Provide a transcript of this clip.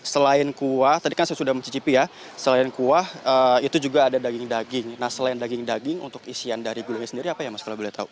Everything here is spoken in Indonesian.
selain kuah tadi kan saya sudah mencicipi ya selain kuah itu juga ada daging daging nah selain daging daging untuk isian dari gulungnya sendiri apa ya mas kalau boleh tahu